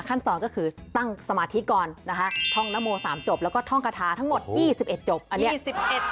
ขั้นตอนก็คือตั้งสมาธิก่อนนะคะท่องนโมสามจบแล้วก็ท่องกระทาทั้งหมดยี่สิบเอ็ดจบ